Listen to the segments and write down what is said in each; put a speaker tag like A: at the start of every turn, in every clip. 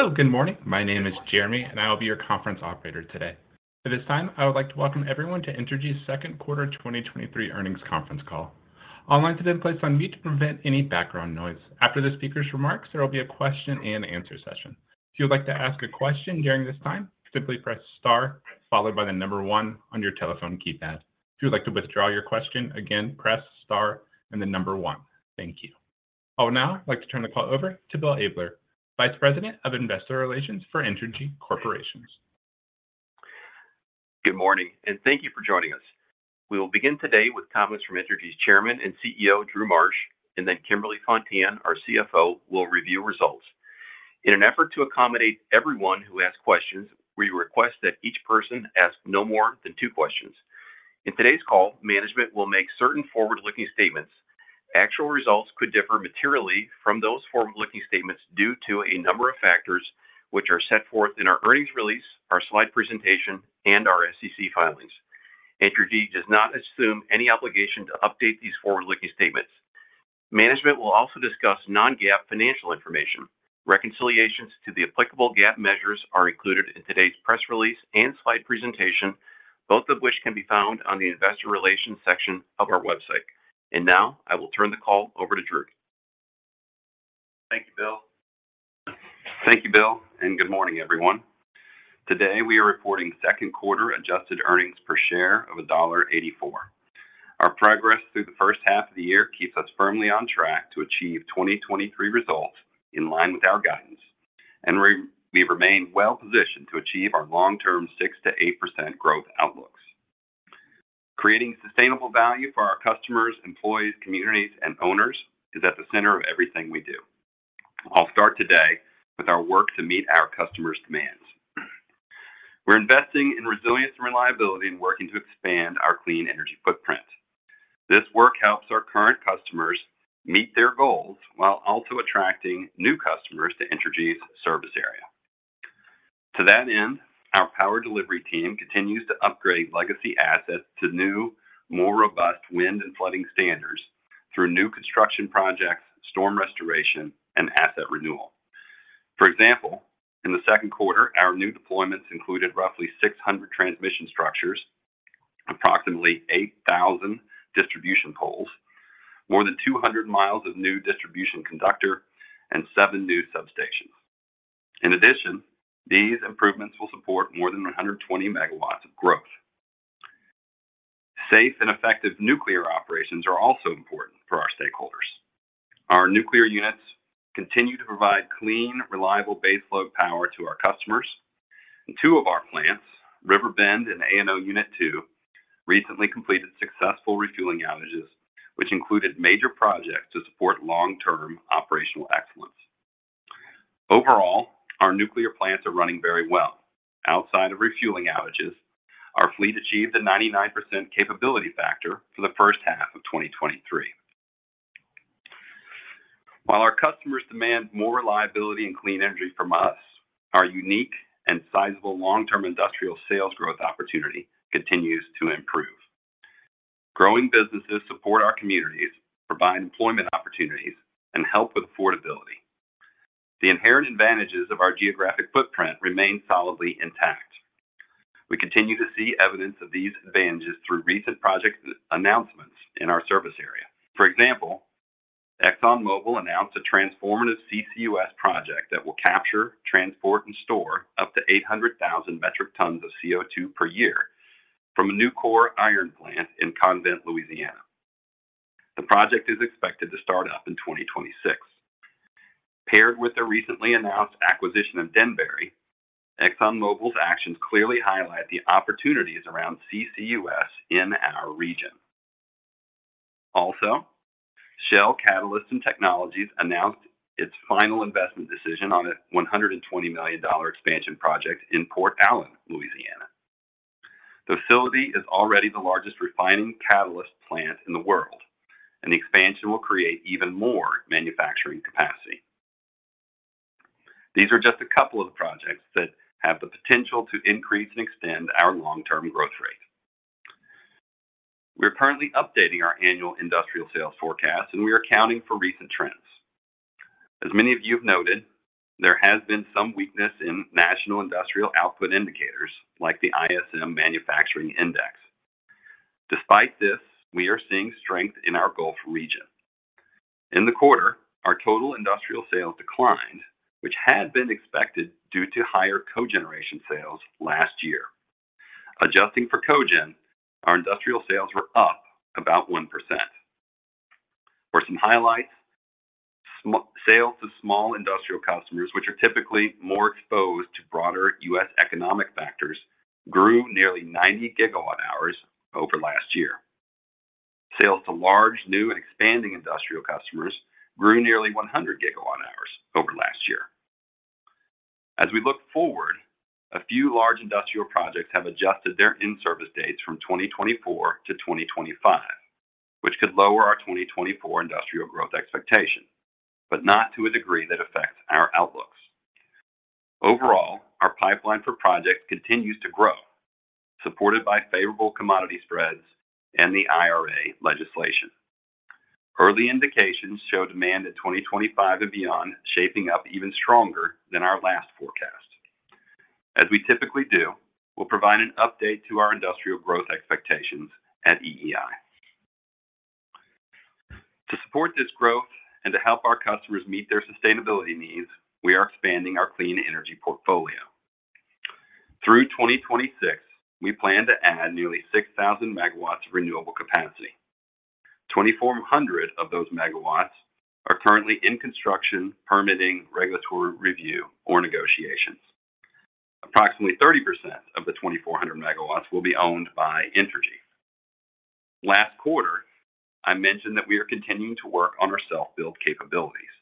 A: Hello, good morning. My name is Jeremy. I will be your conference operator today. At this time, I would like to welcome everyone to Entergy's second quarter 2023 earnings conference call. All lines have been placed on mute to prevent any background noise. After the speaker's remarks, there will be a question and answer session. If you would like to ask a question during this time, simply press star followed by one on your telephone keypad. If you would like to withdraw your question, again, press star and one. Thank you. I would now like to turn the call over to Bill Abler, Vice President of Investor Relations for Entergy Corporation.
B: Good morning, and thank you for joining us. We will begin today with comments from Entergy's Chairman and CEO, Drew Marsh, and then Kimberly Fontan, our CFO, will review results. In an effort to accommodate everyone who asks questions, we request that each person ask no more than two questions. In today's call, management will make certain forward-looking statements. Actual results could differ materially from those forward-looking statements due to a number of factors, which are set forth in our earnings release, our slide presentation, and our SEC filings. Entergy does not assume any obligation to update these forward-looking statements. Management will also discuss non-GAAP financial information. Reconciliations to the applicable GAAP measures are included in today's press release and slide presentation, both of which can be found on the Investor Relations section of our website. Now, I will turn the call over to Drew.
C: Thank you, Bill. Thank you, Bill. Good morning, everyone. Today, we are reporting second quarter adjusted earnings per share of $1.84. Our progress through the first half of the year keeps us firmly on track to achieve 2023 results in line with our guidance. We remain well positioned to achieve our long-term 6%-8% growth outlooks. Creating sustainable value for our customers, employees, communities, and owners is at the center of everything we do. I'll start today with our work to meet our customers' demands. We're investing in resilience and reliability and working to expand our clean energy footprint. This work helps our current customers meet their goals while also attracting new customers to Entergy's service area. To that end, our power delivery team continues to upgrade legacy assets to new, more robust wind and flooding standards through new construction projects, storm restoration, and asset renewal. For example, in the second quarter, our new deployments included roughly 600 transmission structures, approximately 8,000 distribution poles, more than 200 mi of new distribution conductor, and seven new substations. In addition, these improvements will support more than 120 MW of growth. Safe and effective nuclear operations are also important for our stakeholders. Our nuclear units continue to provide clean, reliable baseload power to our customers. Two of our plants, River Bend and ANO Unit 2, recently completed successful refueling outages, which included major projects to support long-term operational excellence. Overall, our nuclear plants are running very well. Outside of refueling outages, our fleet achieved a 99% capability factor for the first half of 2023. While our customers demand more reliability and clean energy from us, our unique and sizable long-term industrial sales growth opportunity continues to improve. Growing businesses support our communities, provide employment opportunities, and help with affordability. The inherent advantages of our geographic footprint remain solidly intact. We continue to see evidence of these advantages through recent project announcements in our service area. For example, ExxonMobil announced a transformative CCUS project that will capture, transport, and store up to 800,000 metric tons of CO2 per year from a Nucor iron plant in Convent, Louisiana. The project is expected to start up in 2026. Paired with the recently announced acquisition of Denbury, ExxonMobil's actions clearly highlight the opportunities around CCUS in our region. Shell Catalysts & Technologies announced its final investment decision on a $120 million expansion project in Port Allen, Louisiana. The facility is already the largest refining catalyst plant in the world. The expansion will create even more manufacturing capacity. These are just a couple of the projects that have the potential to increase and extend our long-term growth rate. We're currently updating our annual industrial sales forecast. We are accounting for recent trends. As many of you have noted, there has been some weakness in national industrial output indicators like the ISM Manufacturing Index. Despite this, we are seeing strength in our Gulf region. In the quarter, our total industrial sales declined, which had been expected due to higher cogeneration sales last year. Adjusting for cogen, our industrial sales were up about 1%. For some highlights, sales to small industrial customers, which are typically more exposed to broader U.S. economic factors, grew nearly 90 GWh over last year. Sales to large, new, and expanding industrial customers grew nearly 100 GWh over last year. As we look forward, a few large industrial projects have adjusted their in-service dates from 2024 to 2025, which could lower our 2024 industrial growth expectation, but not to a degree that affects our outlooks. Overall, our pipeline for projects continues to grow, supported by favorable commodity spreads and the IRA legislation. Early indications show demand in 2025 and beyond shaping up even stronger than our last forecast. As we typically do, we'll provide an update to our industrial growth expectations at EEI. To support this growth and to help our customers meet their sustainability needs, we are expanding our clean energy portfolio. Through 2026, we plan to add nearly 6,000 MW of renewable capacity. 2,400 of those megawatts are currently in construction, permitting, regulatory review, or negotiations. Approximately 30% of the 2,400 MW will be owned by Entergy. Last quarter, I mentioned that we are continuing to work on our self-build capabilities.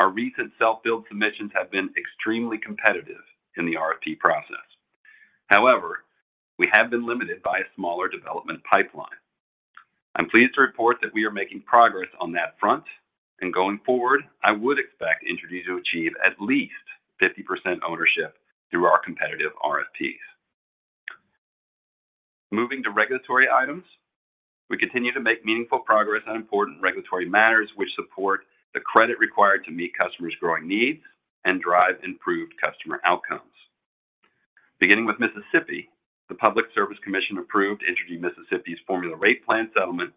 C: Our recent self-build submissions have been extremely competitive in the RFP process. We have been limited by a smaller development pipeline. I'm pleased to report that we are making progress on that front, and going forward, I would expect Entergy to achieve at least 50% ownership through our competitive RFPs. Moving to regulatory items, we continue to make meaningful progress on important regulatory matters, which support the credit required to meet customers' growing needs and drive improved customer outcomes. Beginning with Mississippi, the Public Service Commission approved Entergy Mississippi's Formula Rate Plan settlement,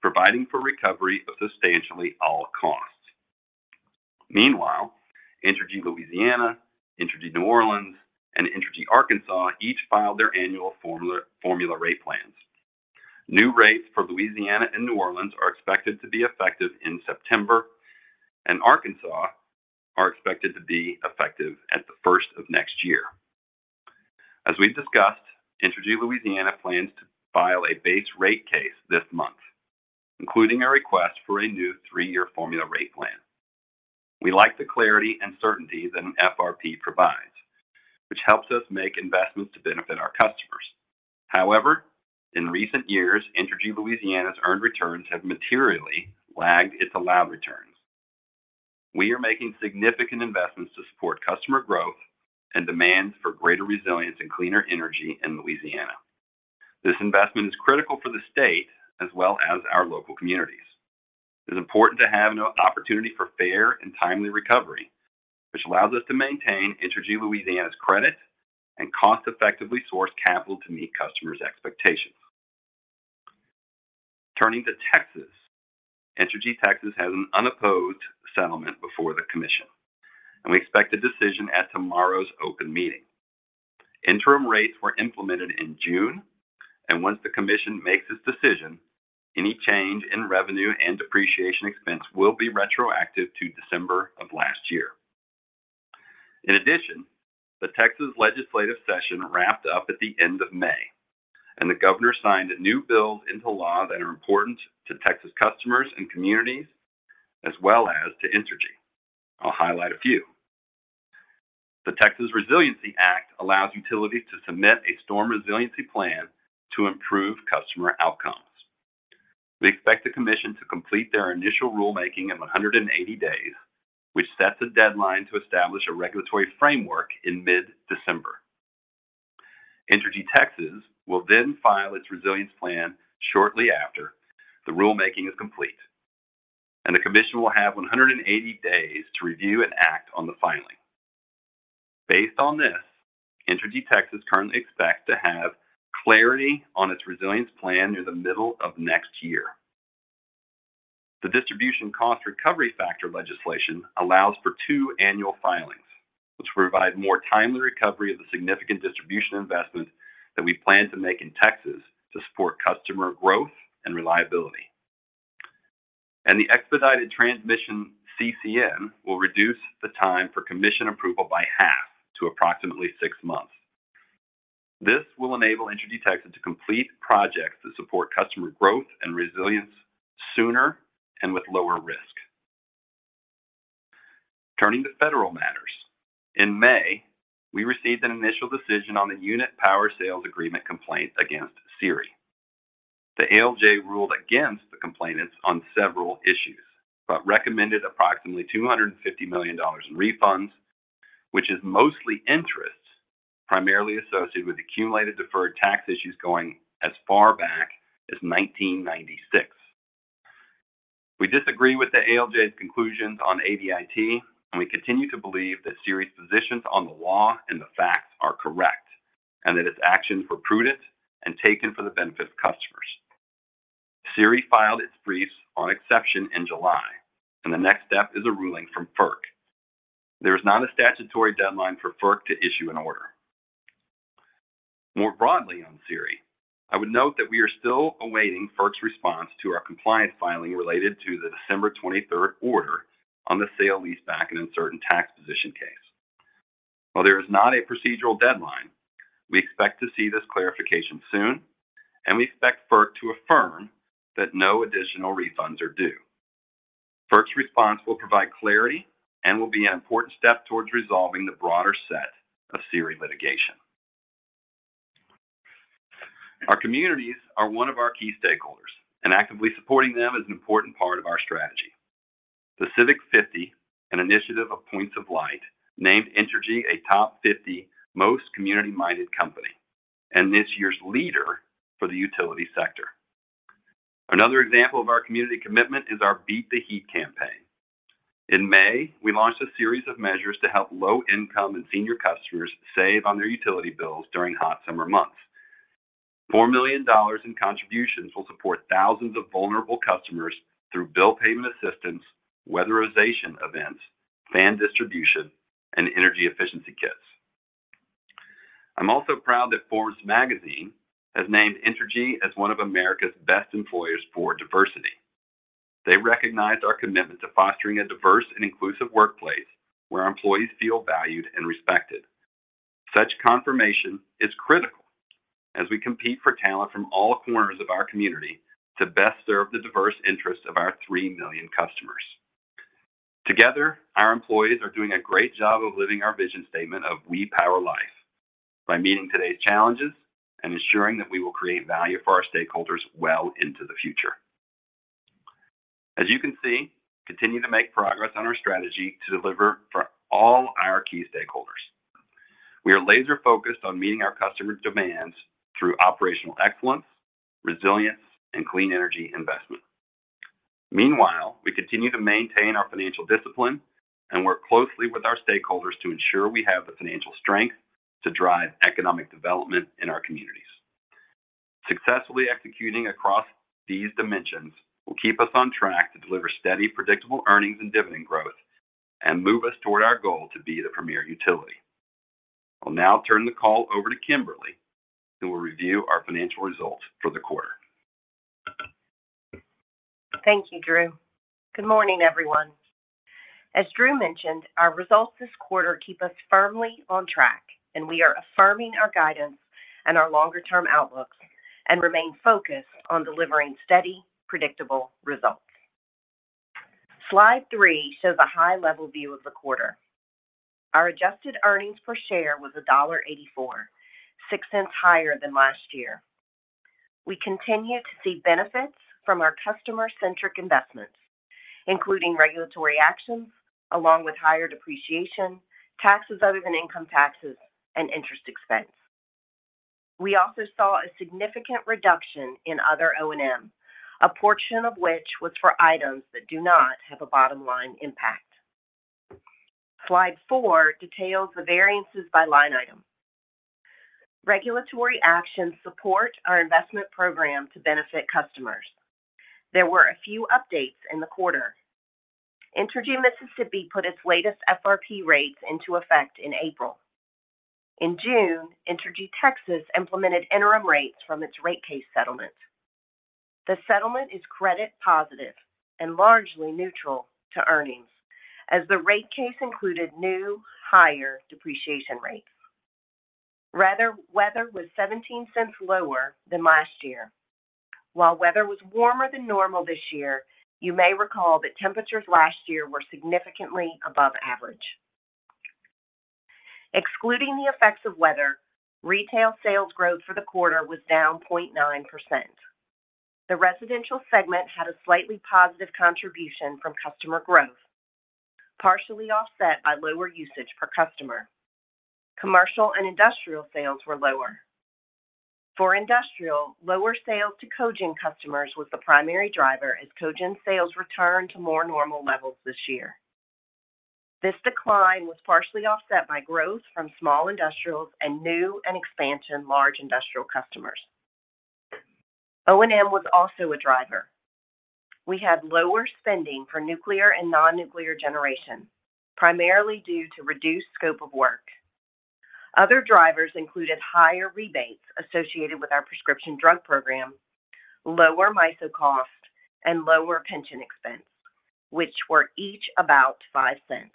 C: providing for recovery of substantially all costs. Meanwhile, Entergy Louisiana, Entergy New Orleans, and Entergy Arkansas each filed their annual Formula Rate Plans. New rates for Louisiana and New Orleans are expected to be effective in September, and Arkansas are expected to be effective at the first of next year. As we've discussed, Entergy Louisiana plans to file a base rate case this month, including a request for a new three-year Formula Rate Plan. We like the clarity and certainty that an FRP provides, which helps us make investments to benefit our customers. However, in recent years, Entergy Louisiana's earned returns have materially lagged its allowed returns. We are making significant investments to support customer growth and demand for greater resilience and cleaner energy in Louisiana. This investment is critical for the state as well as our local communities. It's important to have an opportunity for fair and timely recovery, which allows us to maintain Entergy Louisiana's credit and cost effectively source capital to meet customers' expectations. Turning to Texas, Entergy Texas has an unopposed settlement before the commission, and we expect a decision at tomorrow's open meeting. Interim rates were implemented in June, and once the commission makes its decision, any change in revenue and depreciation expense will be retroactive to December of last year. The Texas legislative session wrapped up at the end of May, and the governor signed new bills into law that are important to Texas customers and communities, as well as to Entergy. I'll highlight a few. The Texas Resiliency Act allows utilities to submit a storm resiliency plan to improve customer outcomes. We expect the commission to complete their initial rulemaking in 180 days, which sets a deadline to establish a regulatory framework in mid-December. Entergy Texas will file its resilience plan shortly after the rulemaking is complete, and the commission will have 180 days to review and act on the filing. Based on this, Entergy Texas currently expects to have clarity on its resilience plan in the middle of next year. The Distribution Cost Recovery Factor legislation allows for two annual filings, which provide more timely recovery of the significant distribution investment that we plan to make in Texas to support customer growth and reliability. The expedited transmission CCN will reduce the time for commission approval by half to approximately six months. This will enable Entergy Texas to complete projects to support customer growth and resilience sooner and with lower risk. Turning to federal matters, in May, we received an initial decision on the Unit Power Sales Agreement Complaint against SERI. The ALJ ruled against the complainants on several issues, but recommended approximately $250 million in refunds, which is mostly interest, primarily associated with accumulated deferred tax issues going as far back as 1996. We disagree with the ALJ's conclusions on ADIT, and we continue to believe that SERI's positions on the law and the facts are correct, and that its actions were prudent and taken for the benefit of customers. SERI filed its briefs on exceptions in July, and the next step is a ruling from FERC. There is not a statutory deadline for FERC to issue an order. More broadly on SERI, I would note that we are still awaiting FERC's response to our compliance filing related to the December 23rd order on the sale-leaseback and uncertain tax position case. While there is not a procedural deadline, we expect to see this clarification soon, and we expect FERC to affirm that no additional refunds are due. FERC's response will provide clarity and will be an important step towards resolving the broader set of SERI litigation. Our communities are one of our key stakeholders, and actively supporting them is an important part of our strategy. The Civic 50, an initiative of Points of Light, named Entergy a top 50 most community-minded company, and this year's leader for the utility sector. Another example of our community commitment is our Beat the Heat campaign. In May, we launched a series of measures to help low-income and senior customers save on their utility bills during hot summer months. $4 million in contributions will support thousands of vulnerable customers through bill payment assistance, weatherization events, fan distribution, and energy efficiency kits. I'm also proud that Forbes magazine has named Entergy as one of America's Best Employers for Diversity. They recognized our commitment to fostering a diverse and inclusive workplace, where employees feel valued and respected. Such confirmation is critical as we compete for talent from all corners of our community to best serve the diverse interests of our 3 million customers. Together, our employees are doing a great job of living our vision statement of We Power Life by meeting today's challenges and ensuring that we will create value for our stakeholders well into the future. As you can see, we continue to make progress on our strategy to deliver for all our key stakeholders. We are laser-focused on meeting our customers' demands through operational excellence, resilience, and clean energy investment. Meanwhile, we continue to maintain our financial discipline and work closely with our stakeholders to ensure we have the financial strength to drive economic development in our communities. Successfully executing across these dimensions will keep us on track to deliver steady, predictable earnings and dividend growth and move us toward our goal to be the premier utility. I'll now turn the call over to Kimberly, who will review our financial results for the quarter.
D: Thank you, Drew. Good morning, everyone. As Drew mentioned, our results this quarter keep us firmly on track. We are affirming our guidance and our longer-term outlooks and remain focused on delivering steady, predictable results. Slide three shows a high-level view of the quarter. Our adjusted earnings per share was $1.84, $0.06 higher than last year. We continue to see benefits from our customer-centric investments, including regulatory actions along with higher depreciation, taxes other than income taxes, and interest expense. We also saw a significant reduction in other O&M, a portion of which was for items that do not have a bottom-line impact. Slide four details the variances by line item. Regulatory actions support our investment program to benefit customers. There were a few updates in the quarter. Entergy Mississippi put its latest FRP rates into effect in April. In June, Entergy Texas implemented interim rates from its rate case settlement. The settlement is credit positive and largely neutral to earnings, as the rate case included new, higher depreciation rates. Rather, weather was $0.17 lower than last year. While weather was warmer than normal this year, you may recall that temperatures last year were significantly above average. Excluding the effects of weather, retail sales growth for the quarter was down 0.9%. The residential segment had a slightly positive contribution from customer growth, partially offset by lower usage per customer. Commercial and industrial sales were lower. For industrial, lower sales to cogen customers was the primary driver, as cogen sales returned to more normal levels this year. This decline was partially offset by growth from small industrials and new and expansion large industrial customers. O&M was also a driver. We had lower spending for nuclear and non-nuclear generation, primarily due to reduced scope of work. Other drivers included higher rebates associated with our prescription drug program, lower MISO costs, and lower pension expense, which were each about $0.05.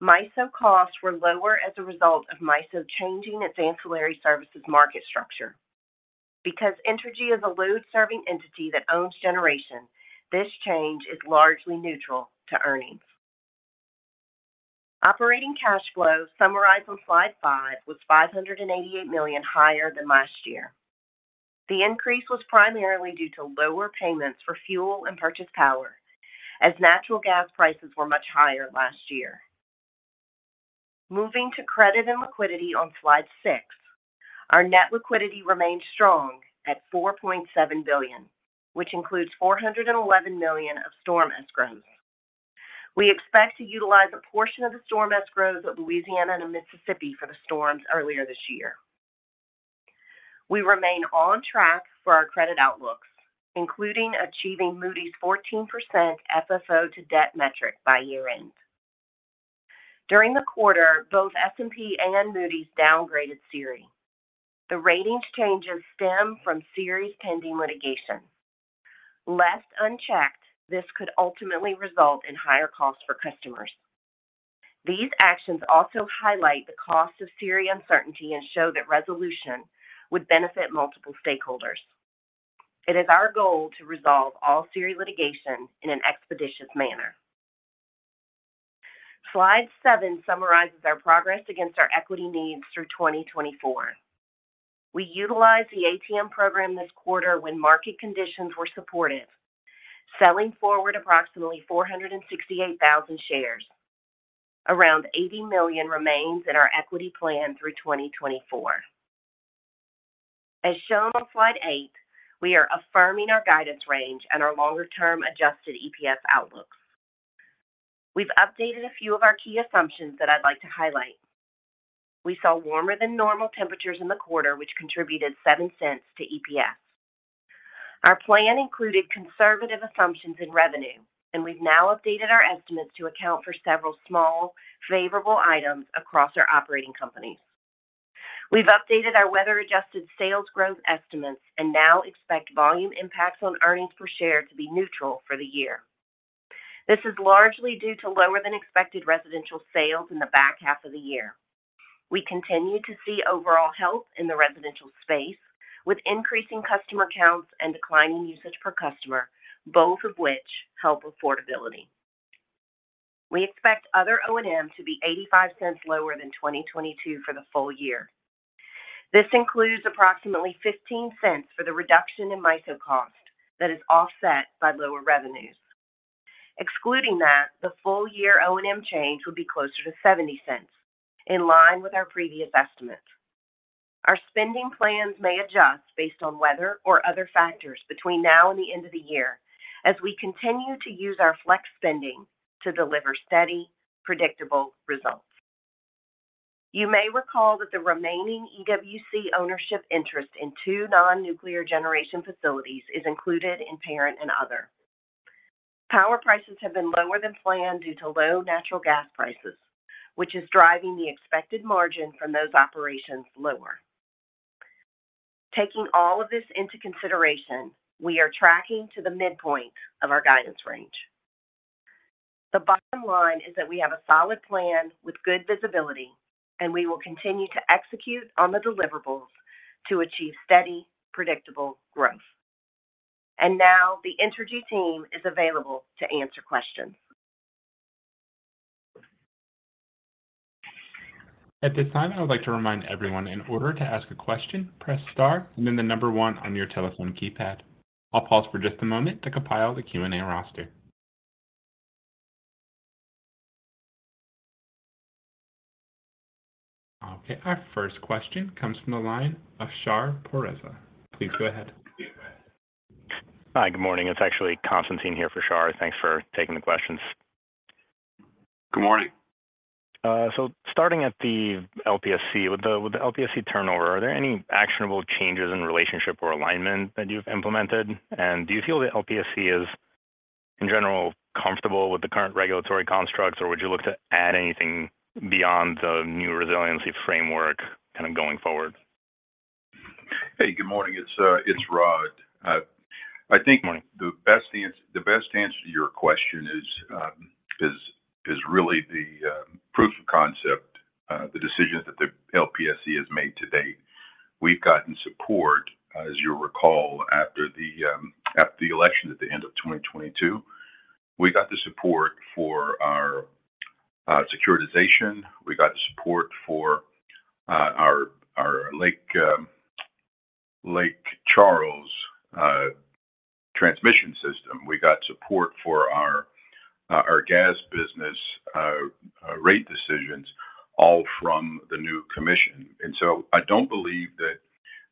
D: MISO costs were lower as a result of MISO changing its ancillary services market structure. Because Entergy is a load-serving entity that owns generation, this change is largely neutral to earnings. Operating cash flow, summarized on slide five, was $588 million higher than last year. The increase was primarily due to lower payments for fuel and purchase power, as natural gas prices were much higher last year. Moving to credit and liquidity on slide six, our net liquidity remains strong at $4.7 billion, which includes $411 million of storm escrows. We expect to utilize a portion of the storm escrows of Louisiana and Mississippi for the storms earlier this year. We remain on track for our credit outlooks, including achieving Moody's 14% FFO to debt metric by year-end. During the quarter, both S&P and Moody's downgraded SERI. The ratings changes stem from SERI's pending litigation. Left unchecked, this could ultimately result in higher costs for customers. These actions also highlight the cost of SERI uncertainty and show that resolution would benefit multiple stakeholders. It is our goal to resolve all SERI litigation in an expeditious manner. Slide seven summarizes our progress against our equity needs through 2024. We utilized the ATM program this quarter when market conditions were supportive, selling forward approximately 468,000 shares. Around $80 million remains in our equity plan through 2024. As shown on slide eight, we are affirming our guidance range and our longer-term adjusted EPS outlooks. We've updated a few of our key assumptions that I'd like to highlight. We saw warmer than normal temperatures in the quarter, which contributed $0.07 to EPS. Our plan included conservative assumptions in revenue, and we've now updated our estimates to account for several small, favorable items across our operating companies. We've updated our weather-adjusted sales growth estimates and now expect volume impacts on earnings per share to be neutral for the year. This is largely due to lower-than-expected residential sales in the back half of the year. We continue to see overall health in the residential space, with increasing customer counts and declining usage per customer, both of which help affordability. We expect other O&M to be $0.85 lower than 2022 for the full year. This includes approximately $0.15 for the reduction in MISO cost that is offset by lower revenues. Excluding that, the full-year O&M change would be closer to $0.70, in line with our previous estimates. Our spending plans may adjust based on weather or other factors between now and the end of the year, as we continue to use our flex spending to deliver steady, predictable results. You may recall that the remaining EWC ownership interest in two non-nuclear generation facilities is included in parent and other. Power prices have been lower than planned due to low natural gas prices, which is driving the expected margin from those operations lower. Taking all of this into consideration, we are tracking to the midpoint of our guidance range. The bottom line is that we have a solid plan with good visibility, and we will continue to execute on the deliverables to achieve steady, predictable growth. Now the Entergy team is available to answer questions.
A: At this time, I would like to remind everyone, in order to ask a question, press star, and then the number one on your telephone keypad. I'll pause for just a moment to compile the Q&A roster. Okay, our first question comes from the line of Shar Pourreza. Please go ahead.
E: Hi, good morning. It's actually Constantine here for Shar. Thanks for taking the questions.
C: Good morning.
E: Starting at the LPSC, with the LPSC turnover, are there any actionable changes in relationship or alignment that you've implemented? Do you feel the LPSC is, in general, comfortable with the current regulatory constructs, or would you look to add anything beyond the new resiliency framework kind of going forward?
F: Hey, good morning. It's, it's Rod.
E: Morning...
F: the best answer, the best answer to your question is, is really the proof of concept, the decisions that the LPSC has made to date. We've gotten support, as you'll recall, after the election at the end of 2022. We got the support for our securitization. We got the support for our Lake Charles transmission system. We got support for our gas business rate decisions, all from the new commission. I don't believe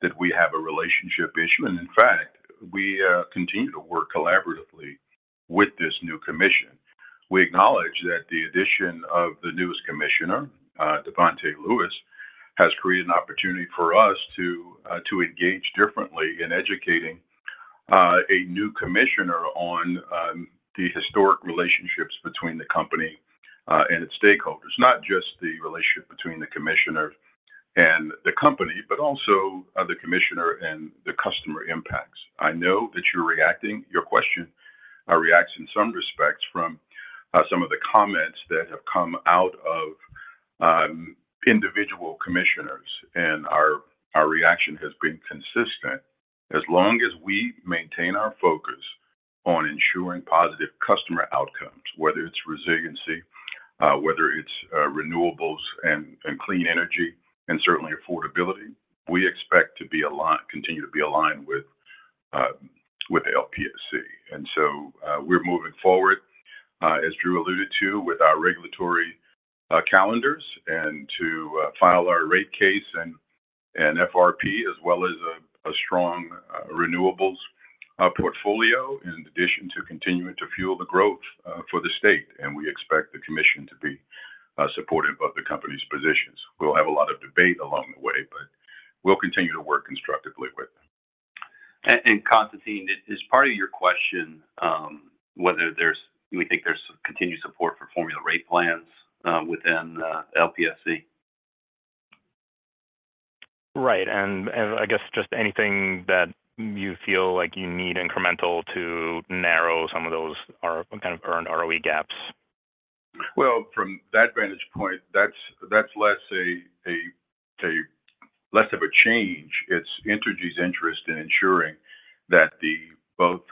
F: that we have a relationship issue, and in fact, we continue to work collaboratively with this new commission. We acknowledge that the addition of the newest commissioner, Davante Lewis, has created an opportunity for us to engage differently in educating a new commissioner on the historic relationships between the company and its stakeholders. Not just the relationship between the commissioner and the company, but also the commissioner and the customer impacts. I know that you're reacting, your question reacts in some respects from some of the comments that have come out of individual commissioners, and our reaction has been consistent. As long as we maintain our focus on ensuring positive customer outcomes, whether it's resiliency, whether it's renewables and clean energy, and certainly affordability, we expect to be aligned, continue to be aligned with the LPSC. We're moving forward, as Drew alluded to, with our regulatory calendars and to file our rate case and FRP, as well as a strong renewables portfolio, in addition to continuing to fuel the growth for the state. We expect the commission to be supportive of the company's positions. We'll have a lot of debate along the way, but we'll continue to work constructively with them.
C: Constantine, is part of your question, Do we think there's continued support for Formula Rate Plans within LPSC?
E: Right, and, and I guess just anything that you feel like you need incremental to narrow some of those or kind of earn ROE gaps.
F: Well, from that vantage point, that's less of a change. It's Entergy's interest in ensuring that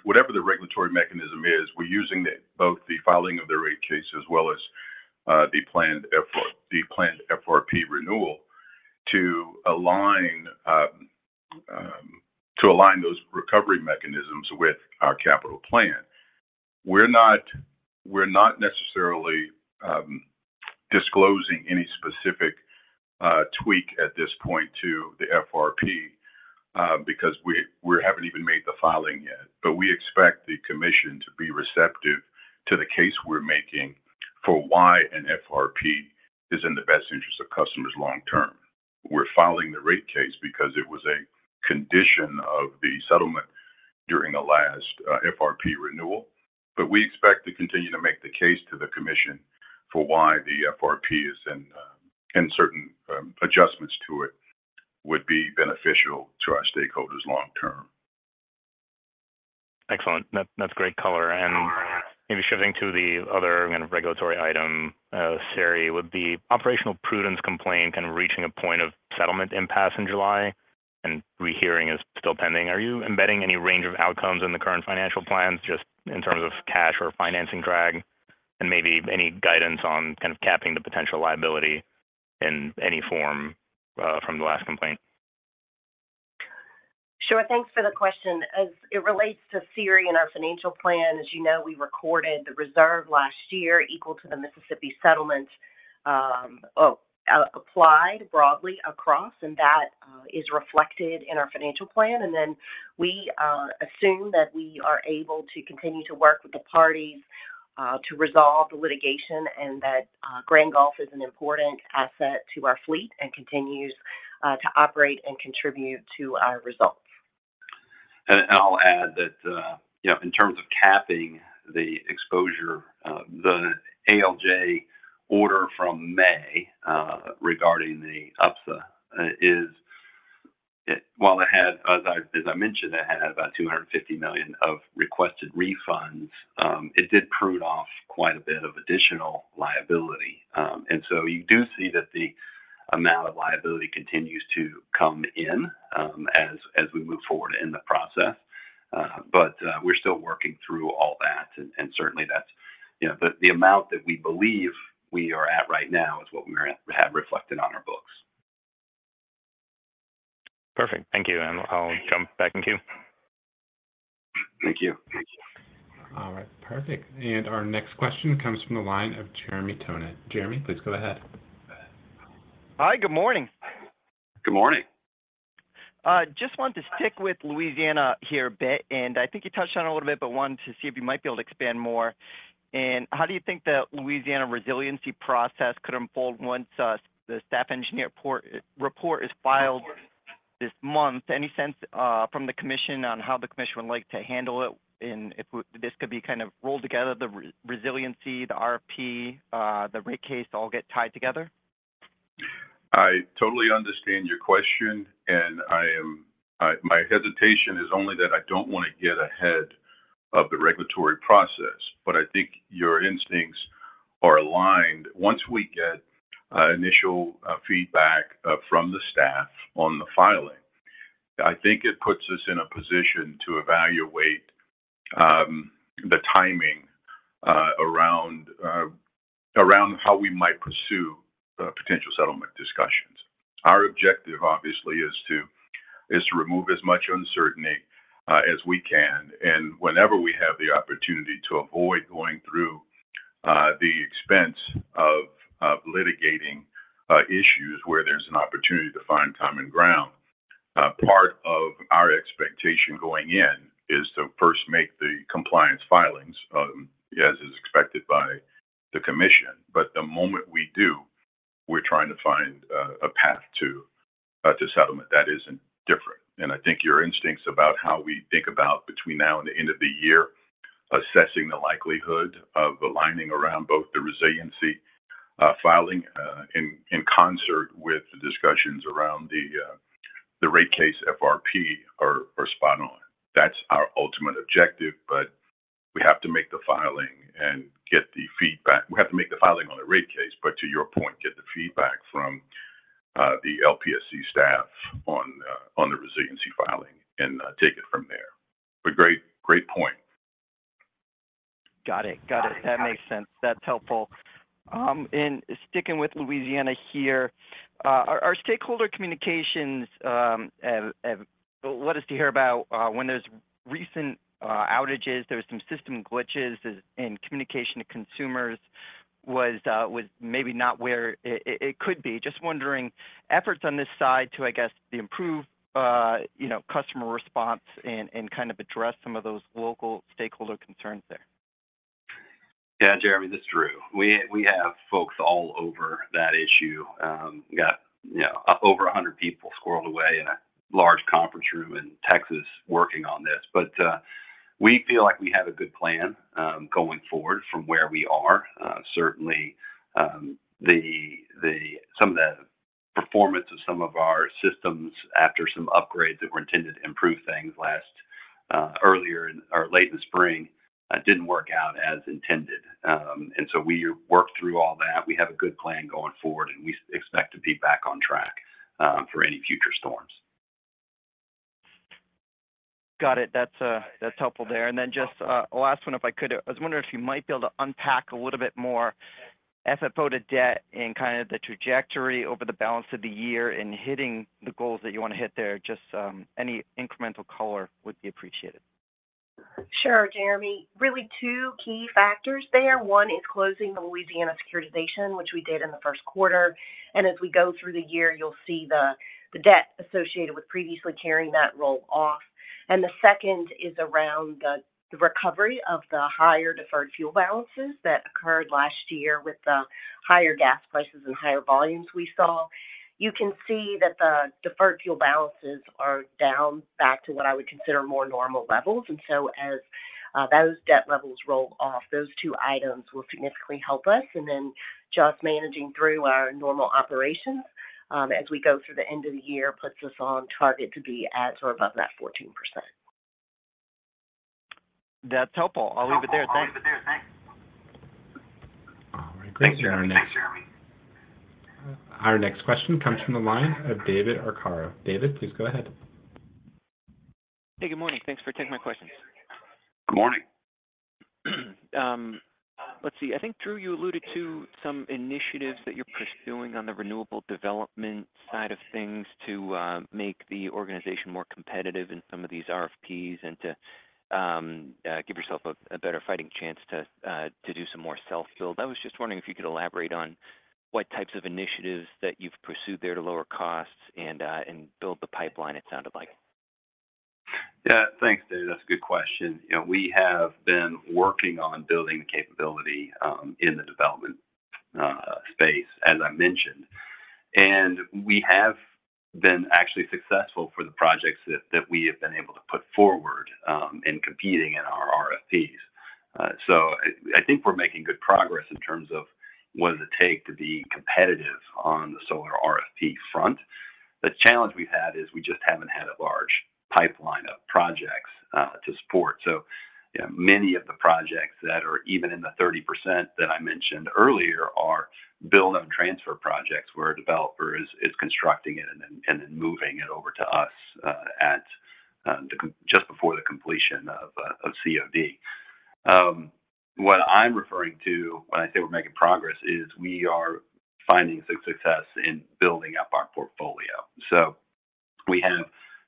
F: whatever the regulatory mechanism is, we're using both the filing of the rate case as well as the planned FRP renewal to align those recovery mechanisms with our capital plan. We're not necessarily disclosing any specific tweak at this point to the FRP, because we haven't even made the filing yet. We expect the commission to be receptive to the case we're making for why an FRP is in the best interest of customers long term. We're filing the rate case because it was a condition of the settlement during the last FRP renewal. We expect to continue to make the case to the commission for why the FRP is in, and certain adjustments to it would be beneficial to our stakeholders long term.
E: Excellent. That, that's great color. Maybe shifting to the other kind of regulatory item, SERI, with the operational prudence complaint, kind of reaching a point of settlement impasse in July, and rehearing is still pending. Are you embedding any range of outcomes in the current financial plans, just in terms of cash or financing drag? Maybe any guidance on kind of capping the potential liability in any form, from the last complaint?
D: Sure. Thanks for the question. As it relates to SERI and our financial plan, as you know, we recorded the reserve last year equal to the Mississippi settlement, applied broadly across, and that is reflected in our financial plan. Then we assume that we are able to continue to work with the parties to resolve the litigation, and that Grand Gulf is an important asset to our fleet and continues to operate and contribute to our results.
C: I'll add that, you know, in terms of capping the exposure, the ALJ order from May regarding the UPSA, while it had, as I, as I mentioned, it had about $250 million of requested refunds, it did prune off quite a bit of additional liability. You do see that the amount of liability continues to come in as, as we move forward in the process. We're still working through all that, and certainly that's, you know. The amount that we believe we are at right now is what we have reflected on our books.
E: Perfect. Thank you, and I'll jump back in queue.
C: Thank you.
A: All right. Perfect. Our next question comes from the line of Jeremy Tonet. Jeremy, please go ahead.
G: Hi, good morning.
C: Good morning.
G: Just wanted to stick with Louisiana here a bit, and I think you touched on it a little bit, but wanted to see if you might be able to expand more. How do you think the Louisiana resiliency process could unfold once the staff engineer report is filed this month? Any sense from the commission on how the commission would like to handle it, and if this could be kind of rolled together, the resiliency, the RFP, the rate case, all get tied together?
F: I totally understand your question, and I am, my hesitation is only that I don't want to get ahead of the regulatory process, but I think your instincts are aligned. Once we get initial feedback from the staff on the filing, I think it puts us in a position to evaluate the timing around around how we might pursue potential settlement discussions. Our objective, obviously, is to, is to remove as much uncertainty as we can, and whenever we have the opportunity to avoid going through the expense of, of litigating issues where there's an opportunity to find common ground. Part of our expectation going in is to first make the compliance filings as is expected by the commission. The moment we do, we're trying to find a path to settlement, that isn't different. I think your instincts about how we think about between now and the end of the year, assessing the likelihood of aligning around both the resiliency filing in concert with the discussions around the rate case FRP are spot on. That's our ultimate objective, but we have to make the filing and get the feedback. We have to make the filing on the rate case, but to your point, get the feedback from the LPSC staff on the resiliency filing and take it from there. Great, great point.
G: Got it. Got it. That makes sense. That's helpful. Sticking with Louisiana here, our stakeholder communications have let us hear about when there's recent outages, there was some system glitches, and communication to consumers was maybe not where it could be. Just wondering, efforts on this side to, I guess, the improved, you know, customer response and kind of address some of those local stakeholder concerns there.
C: Yeah, Jeremy, this is Drew. We, we have folks all over that issue. We got, you know, over 100 people squirreled away in a large conference room in Texas working on this. We feel like we have a good plan going forward from where we are. Certainly, the, the, some of the performance of some of our systems after some upgrades that were intended to improve things earlier in or late in the spring didn't work out as intended. So we worked through all that. We have a good plan going forward, and we expect to be back on track for any future storms.
G: Got it. That's that's helpful there. Then just a last one, if I could. I was wondering if you might be able to unpack a little bit more FFO to debt and kind of the trajectory over the balance of the year and hitting the goals that you want to hit there. Just, any incremental color would be appreciated.
D: Sure, Jeremy. Really, two key factors there. One is closing the Louisiana securitization, which we did in the first quarter, as we go through the year, you'll see the debt associated with previously carrying that roll off. The second is around the recovery of the higher deferred fuel balances that occurred last year with the higher gas prices and higher volumes we saw. You can see that the deferred fuel balances are down back to what I would consider more normal levels. So as those debt levels roll off, those two items will significantly help us. Then just managing through our normal operations, as we go through the end of the year, puts us on target to be at or above that 14%.
G: That's helpful. I'll leave it there. Thanks.
C: All right. Great, Jeremy.
F: Thanks, Jeremy.
A: Our next question comes from the line of David Arcaro. David, please go ahead.
H: Hey, good morning. Thanks for taking my questions.
C: Good morning.
H: Let's see. I think, Drew, you alluded to some initiatives that you're pursuing on the renewable development side of things to make the organization more competitive in some of these RFPs and to give yourself a better fighting chance to do some more self-build. I was just wondering if you could elaborate on what types of initiatives that you've pursued there to lower costs and build the pipeline, it sounded like.
C: Yeah, thanks, David. That's a good question. You know, we have been working on building capability in the development space, as I mentioned. We have been actually successful for the projects that, that we have been able to put forward in competing in our RFPs. I, I think we're making good progress in terms of what does it take to be competitive on the solar RFP front. The challenge we've had is we just haven't had a large pipeline of projects to support. You know, many of the projects that are even in the 30% that I mentioned earlier are build-up transfer projects, where a developer is, is constructing it and then, and then moving it over to us just before the completion of COD. What I'm referring to when I say we're making progress, is we are finding success in building up our portfolio. We have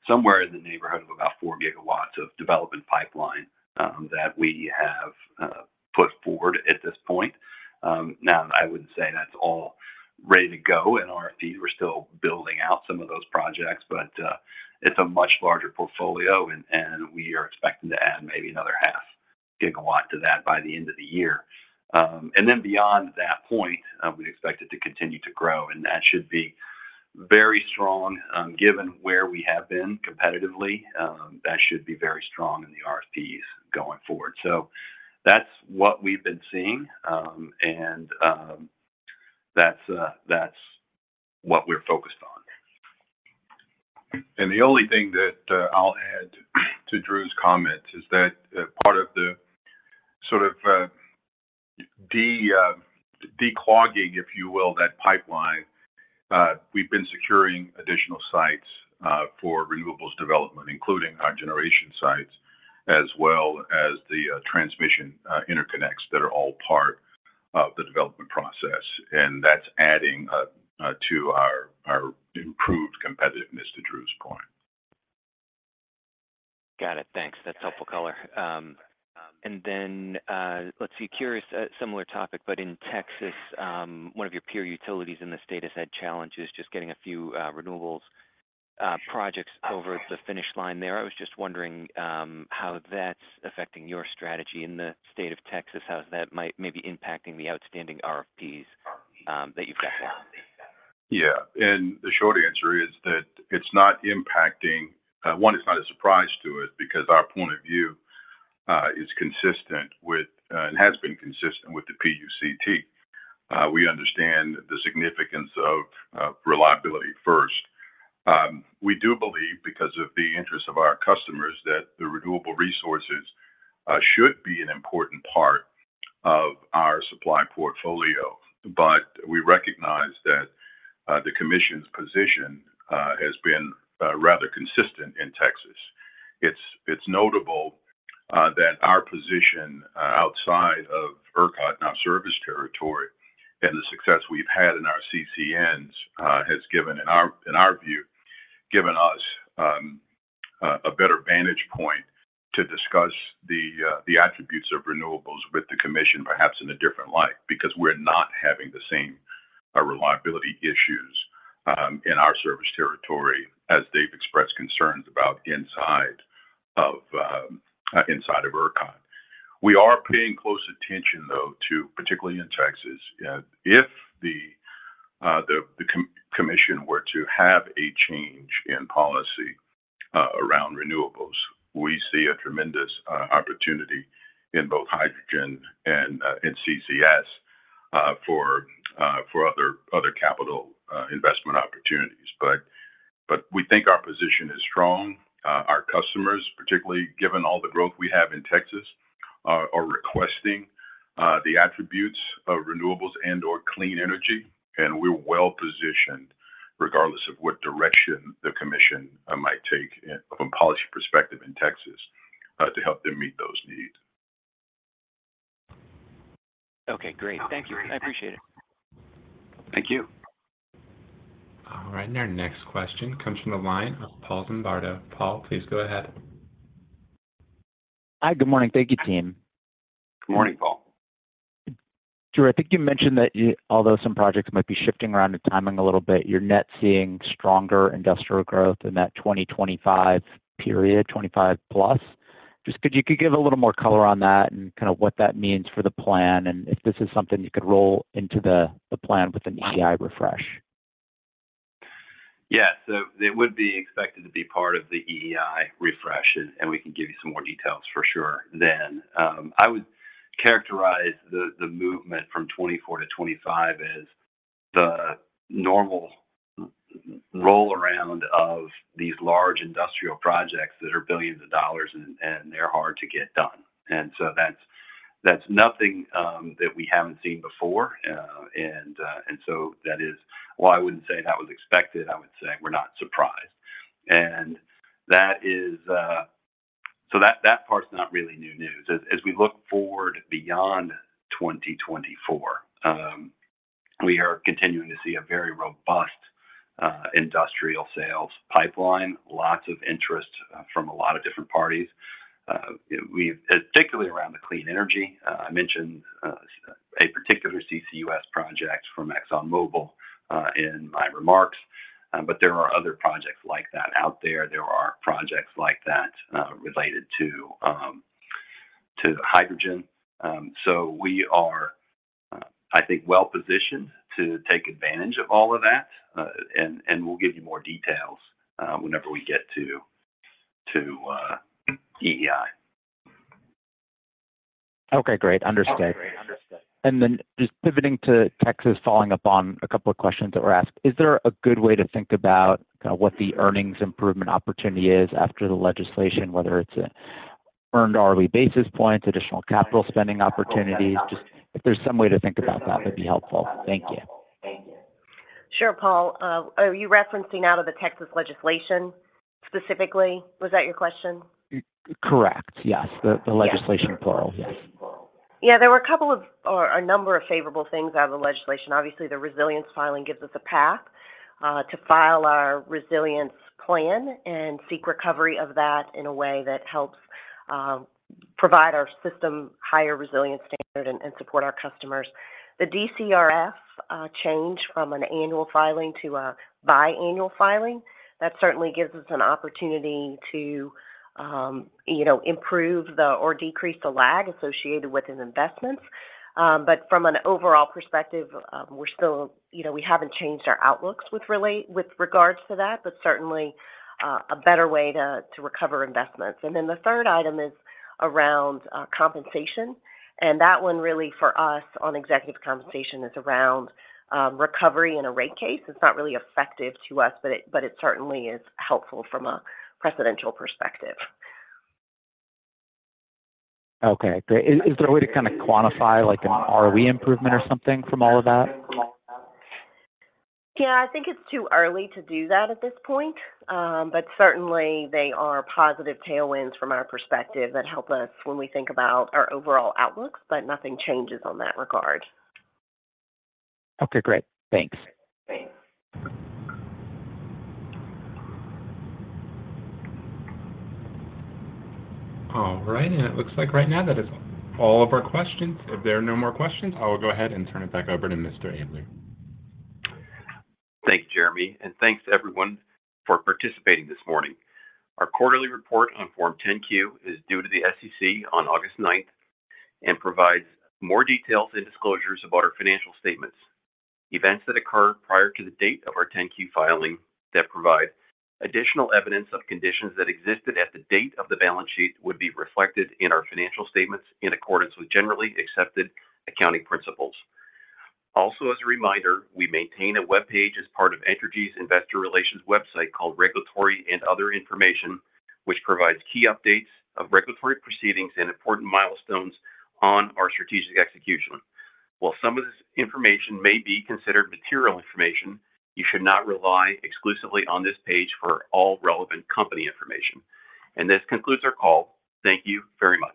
C: somewhere in the neighborhood of about 4 GW of development pipeline that we have put forward at this point. Now, I wouldn't say that's all ready to go in RFP. We're still building out some of those projects, but it's a much larger portfolio, and we are expecting to add maybe another half gigawatt to that by the end of the year. Beyond that point, we expect it to continue to grow, and that should be very strong given where we have been competitively. That should be very strong in the RFPs going forward. That's what we've been seeing, and that's what we're focused on.
F: The only thing that I'll add to, to Drew's comment is that part of the sort of declogging, if you will, that pipeline, we've been securing additional sites for renewables development, including our generation sites, as well as the transmission interconnects that are all part of the development process. That's adding to our, our improved competitiveness, to Drew's point.
H: Got it. Thanks. That's helpful color. Let's see, curious, similar topic, but in Texas, one of your peer utilities in the state has had challenges just getting a few renewables projects over the finish line there. I was just wondering, how that's affecting your strategy in the state of Texas? How is that maybe impacting the outstanding RFPs that you've got there?
F: Yeah, the short answer is that it's not impacting... One, it's not a surprise to us because our point of view is consistent with and has been consistent with the PUCT. We understand the significance of reliability first. We do believe because of the interest of our customers, that the renewable resources should be an important part of our supply portfolio, but we recognize that the commission's position has been rather consistent in Texas. It's, it's notable that our position outside of ERCOT, in our service territory and the success we've had in our CCNs, has given in our, in our view, given us a better vantage point to discuss the attributes of renewables with the commission, perhaps in a different light, because we're not having the same reliability issues in our service territory as they've expressed concerns about inside of ERCOT. We are paying close attention, though, to, particularly in Texas, if the commission were to have a change in policy around renewables, we see a tremendous opportunity in both hydrogen and in CCS for investment opportunities. But we think our position is strong. Our customers, particularly given all the growth we have in Texas, are requesting the attributes of renewables and/or clean energy, and we're well-positioned, regardless of what direction the commission might take in, from a policy perspective in Texas, to help them meet those needs.
H: Okay, great. Thank you. I appreciate it.
F: Thank you.
A: All right. Our next question comes from the line of Paul Zimbardo. Paul, please go ahead.
I: Hi, good morning. Thank you, team.
C: Good morning, Paul.
I: Drew, I think you mentioned that although some projects might be shifting around the timing a little bit, you're net seeing stronger industrial growth in that 2025 period, 25+. Just could give a little more color on that and kind of what that means for the plan, and if this is something you could roll into the, the plan with an EEI refresh?
C: Yeah. It would be expected to be part of the EEI refresh, and, and we can give you some more details for sure. I would characterize the movement from 2024 to 2025 as the normal roll-around of these large industrial projects that are billions of dollars, and, and they're hard to get done. That's, that's nothing that we haven't seen before. That is why I wouldn't say that was expected. I would say we're not surprised, and that is. That, that part's not really new news. As, as we look forward beyond 2024, we are continuing to see a very robust industrial sales pipeline, lots of interest from a lot of different parties. Particularly around the clean energy. I mentioned a particular CCUS project from ExxonMobil in my remarks, but there are other projects like that out there. There are projects like that related to, to hydrogen. We are, I think, well-positioned to take advantage of all of that. We'll give you more details whenever we get to, to EEI.
I: Okay, great. Understood. Then just pivoting to Texas, following up on a couple of questions that were asked, is there a good way to think about kind of what the earnings improvement opportunity is after the legislation, whether it's earned hourly basis points, additional capital spending opportunities? Just if there's some way to think about that, would be helpful. Thank you.
D: Sure, Paul. Are you referencing out of the Texas legislation, specifically? Was that your question?
I: Correct. Yes, the, the legislation plural. Yes.
D: There were a couple of or a number of favorable things out of the legislation. Obviously, the resilience filing gives us a path to file our resilience plan and seek recovery of that in a way that helps provide our system higher resilience standard and support our customers. The DCRF change from an annual filing to a biannual filing, that certainly gives us an opportunity to, you know, improve the or decrease the lag associated with an investments. But from an overall perspective, we're still, you know, we haven't changed our outlooks with relate, with regards to that, but certainly a better way to recover investments. The third item is around compensation, and that one really for us on executive compensation is around recovery in a rate case. It's not really effective to us, but it, but it certainly is helpful from a presidential perspective.
I: Okay. Great. Is there a way to kind of quantify, like an ROE improvement or something from all of that?
D: Yeah, I think it's too early to do that at this point. Certainly, they are positive tailwinds from our perspective that help us when we think about our overall outlooks, but nothing changes on that regard.
I: Okay, great. Thanks.
D: Thanks.
A: All right. It looks like right now that is all of our questions. If there are no more questions, I will go ahead and turn it back over to Mr. Abler.
B: Thanks, Jeremy, and thanks, everyone, for participating this morning. Our quarterly report on Form 10-Q is due to the SEC on August 9th and provides more details and disclosures about our financial statements. Events that occurred prior to the date of our 10-Q filing that provide additional evidence of conditions that existed at the date of the balance sheet would be reflected in our financial statements in accordance with Generally Accepted Accounting Principles. As a reminder, we maintain a webpage as part of Entergy's Investor Relations website called Regulatory and Other Information, which provides key updates of regulatory proceedings and important milestones on our strategic execution. While some of this information may be considered material information, you should not rely exclusively on this page for all relevant company information. This concludes our call. Thank you very much.